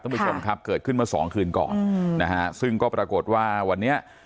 คุณผู้ชมครับเกิดขึ้นเมื่อสองคืนก่อนอืมนะฮะซึ่งก็ปรากฏว่าวันนี้